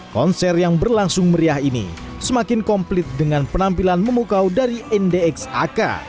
konser yang berlangsung meriah ini semakin komplit dengan penampilan memukau dari ndx ak